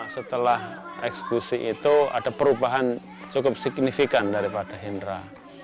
setelah eksekusi itu ada perubahan cukup signifikan daripada hendra